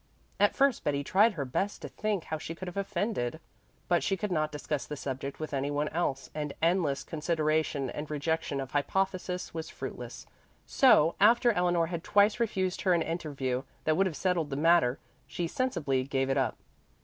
At first Betty tried her best to think how she could have offended, but she could not discuss the subject with any one else and endless consideration and rejection of hypotheses was fruitless, so after Eleanor had twice refused her an interview that would have settled the matter, she sensibly gave it up.